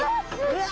うわ！